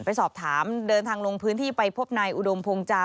ไปสอบถามเดินทางลงพื้นที่ไปพบนายอุดมพงจา